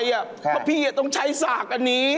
เพราะพี่ต้องใช้สากอันนี้